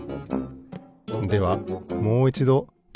ではもういちどき